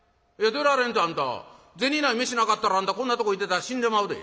出られんってあんた銭ない飯なかったらあんたこんなとこいてたら死んでまうで」。